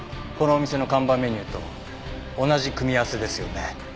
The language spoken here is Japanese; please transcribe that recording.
このお店の看板メニューと同じ組み合わせですよね？